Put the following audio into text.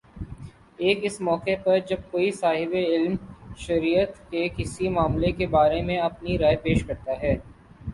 ایک اس موقع پر جب کوئی صاحبِ علم شریعت کے کسی مئلے کے بارے میں اپنی رائے پیش کرتا ہے